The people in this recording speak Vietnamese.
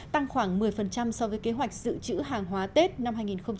tăng khoảng một mươi so với kế hoạch dự trữ hàng hóa tết năm hai nghìn một mươi sáu